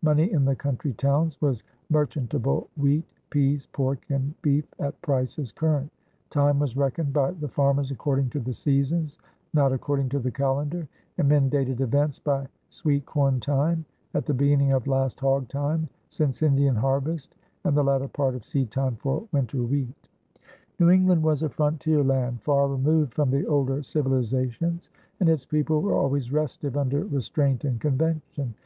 Money in the country towns was merchantable wheat, peas, pork, and beef at prices current. Time was reckoned by the farmers according to the seasons, not according to the calendar, and men dated events by "sweet corn time," "at the beginning of last hog time," "since Indian harvest," and "the latter part of seed time for winter wheat." New England was a frontier land far removed from the older civilizations, and its people were always restive under restraint and convention.